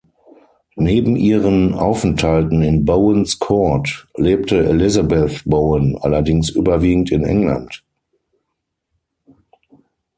Neben ihren Aufenthalten in "Bowen’s Court" lebte Elizabeth Bowen allerdings überwiegend in England.